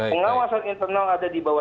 pengawasan internal ada di bawah